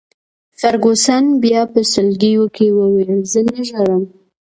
فرګوسن بیا په سلګیو کي وویل: زه نه ژاړم.